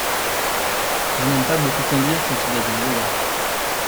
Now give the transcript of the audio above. Je n'aime pas beaucoup conduire quand il y a du brouillard.